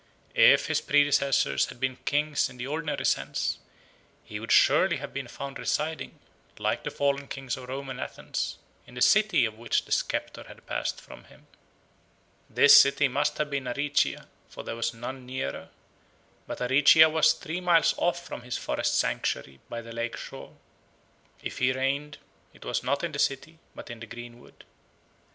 If his predecessors had been kings in the ordinary sense, he would surely have been found residing, like the fallen kings of Rome and Athens, in the city of which the sceptre had passed from him. This city must have been Aricia, for there was none nearer. But Aricia was three miles off from his forest sanctuary by the lake shore. If he reigned, it was not in the city, but in the greenwood.